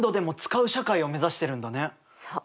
そう。